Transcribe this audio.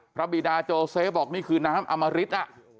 พระบิดาโจเชฟบอกนี่คือน้ำอมริษฐ์